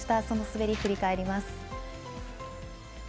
その滑り、振り返ります。